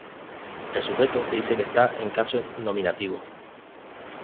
El sujeto se dice que está en caso nominativo.